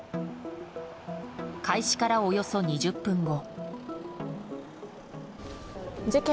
開始から、およそ２０分後。